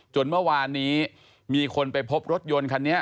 จนเมื่อวานนี้มีคนไปพบรถยนต์คันนี้